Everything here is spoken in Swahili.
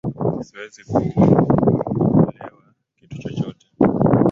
Siwezi kuulewa kitu chochote?